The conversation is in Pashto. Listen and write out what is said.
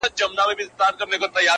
زلیخا دي کړه شاعره زه دي هلته منم عشقه,